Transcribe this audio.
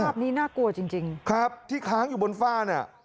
ครับนี่น่ากลัวจริงครับที่ค้างอยู่บนฝ้าเนี่ย